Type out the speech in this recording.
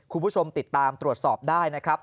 คุณผู้ชมติดตามตรวจสอบได้นะครับ